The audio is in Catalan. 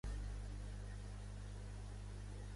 És totalment exterior a carrer, lluminós i amb sol de matins.